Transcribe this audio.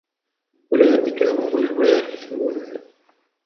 أُولَئِكَ هُمُ الْوَارِثُونَ